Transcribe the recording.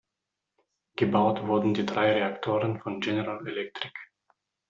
Gebaut wurden die drei Reaktoren von General Electric.